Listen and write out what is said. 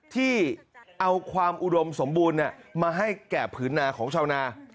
ที่เอาความอุดมสมบูรณ์มาให้แก่ผืนนาของชาวนา